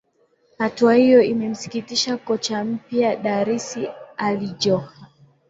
hatua hiyo imemsikitisha kocha mpya darsir ali johar